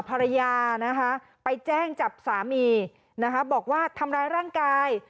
ภรรยาไปแจ้งจับสามีบอกว่าทำร้ายร่างกาย